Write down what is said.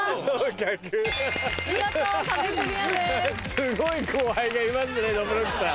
すごい後輩がいますねどぶろっくさん。